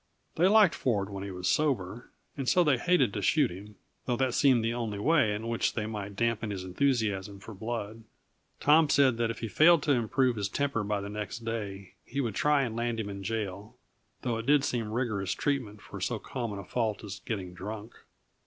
They liked Ford when he was sober, and so they hated to shoot him, though that seemed the only way in which they might dampen his enthusiasm for blood. Tom said that, if he failed to improve in temper by the next day, he would try and land him in jail, though it did seem rigorous treatment for so common a fault as getting drunk.